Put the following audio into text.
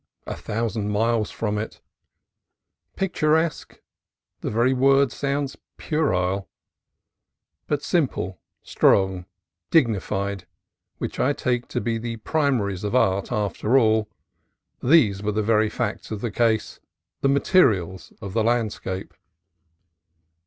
a thousand miles from it. Picturesque? the very word sounds puerile. But simple, strong, dignified (which I take to be the primaries of art, after all), these were the very facts of the case, the materials of the landscape.